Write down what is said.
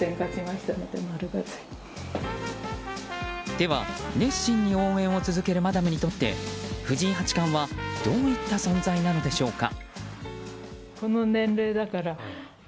では、熱心に応援を続けるマダムにとって藤井八冠はどういった存在なのでしょうか。